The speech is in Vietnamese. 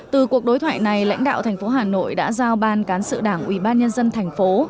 từ cuộc đối thoại này lãnh đạo thành phố hà nội đã giao ban cán sự đảng ubnd thành phố